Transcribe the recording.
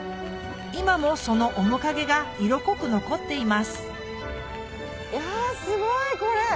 今もその面影が色濃く残っていますいやすごいこれ！